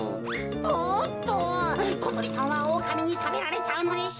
おっとことりさんはおおかみにたべられちゃうのでしょうか。